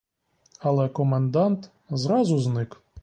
Але комендант зразу зник.